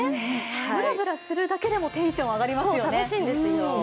ぶらぶらするだけでもテンション上がりますよね。